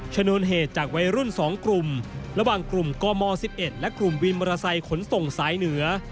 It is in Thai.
ชนวนเหตุจากวัยรุ่น๒กลุ่มระหว่างกลุ่มกม๑๑และกลุ่มวินมอเตอร์ไซค์ขนส่งสายเหนือ